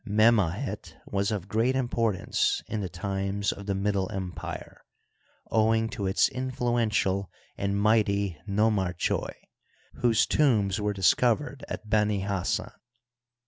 Mehmahet was of great im portance in the times of the Middle Empire, owing to its mfluential and mighty nomarchoi, whose tombs were dis covered at Benihassan.